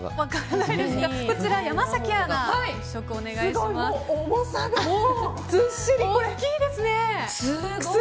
こちら、山崎アナご試食をお願いします。